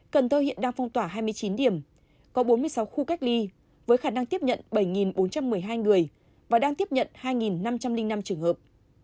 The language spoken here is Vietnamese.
cần thơ hiện đang phong tỏa hai mươi chín điểm có bốn mươi sáu khu cách ly với khả năng tiếp nhận bảy bốn trăm một mươi hai người và đang tiếp nhận hai năm trăm linh năm trường hợp